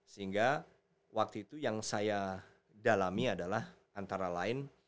sehingga waktu itu yang saya dalami adalah antara lain